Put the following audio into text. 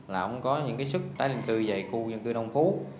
là ổng có những cái sức tái định cư dày khu nhân cư đông phú